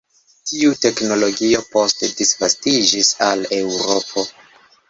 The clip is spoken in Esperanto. Tiu teknologio poste disvastiĝis al Eŭropo.